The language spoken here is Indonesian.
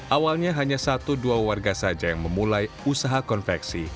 awalnya hanya satu dua warga saja yang memulai usaha konveksi